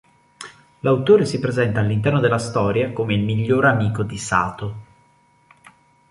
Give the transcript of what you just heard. L'autore si presenta all'interno della storia come il miglior amico di Sato.